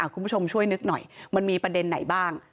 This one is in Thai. คุณผู้ชมช่วยนึกหน่อยมันมีประเด็นไหนบ้าง